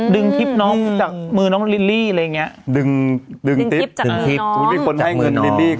ดึงทิปจากมือน้องจากมือน้องมีคนให้เงินลิลลี่